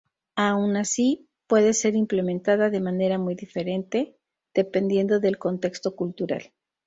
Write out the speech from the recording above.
Aun así, pueda ser implementada de manera muy diferente, dependiendo de el contexto cultural.